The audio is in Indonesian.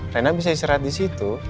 karena bisa istirahat di situ